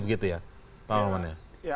begitu ya pak maman ya